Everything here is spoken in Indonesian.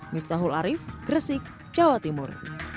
miftahul arief gresik jawa timur